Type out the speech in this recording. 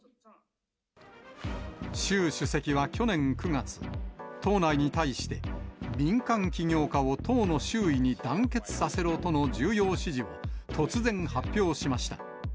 習主席は去年９月、党内に対して、民間企業家を党の周囲に団結させろとの重要指示を突然、発表しました。